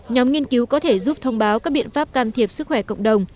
nhóm nghiên cứu có thể giúp thông báo các biện pháp can thiệp sức khỏe cộng đồng